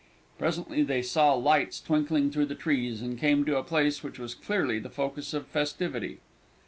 Presently they saw lights twinkling through the trees, and came to a place which was clearly the focus of festivity.